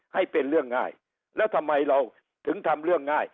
ให้เป็นเรื่องง่ายแล้วทำไมเราถึงทำเรื่องง่าย